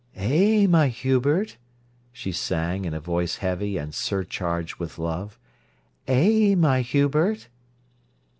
"Eh, my Hubert!" she sang, in a voice heavy and surcharged with love. "Eh, my Hubert!"